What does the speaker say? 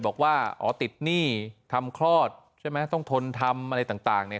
บอกว่าอ๋อติดหนี้ทำคลอดใช่ไหมต้องทนทำอะไรต่างเนี่ย